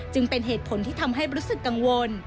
เป็นเหตุผลที่ทำให้รู้สึกกังวล